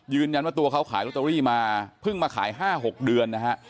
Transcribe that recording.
ตัวเขาขายลอตเตอรี่มาเพิ่งมาขาย๕๖เดือนนะฮะ